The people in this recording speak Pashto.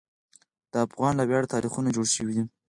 د افغان له ویاړه تاریخونه جوړ شوي دي.